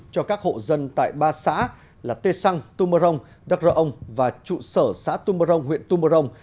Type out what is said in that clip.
cho các hộ dân tại ba xã là tê săng tumorong đắk rợ ông và trụ sở xã tumorong huyện tumorong